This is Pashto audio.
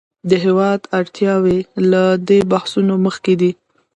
د هېواد اړتیاوې له دې بحثونو مخکې دي.